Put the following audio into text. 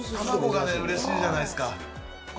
卵がね、うれしいじゃないですか。